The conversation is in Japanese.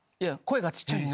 声がちっちゃい。